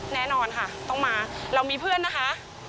แน่นอนค่ะต้องมาเรามีเพื่อนนะคะ